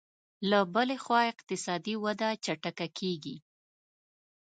له بلې خوا اقتصادي وده چټکه کېږي